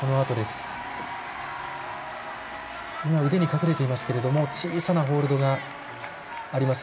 今、腕にかかっていますけれども小さなホールドがあります。